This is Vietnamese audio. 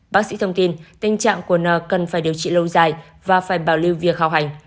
bác sĩ thông tin tình trạng của n cần phải điều trị lâu dài và phải bảo lưu việc hào hành